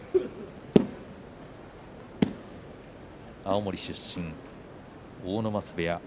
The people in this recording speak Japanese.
青森出身、阿武松部屋。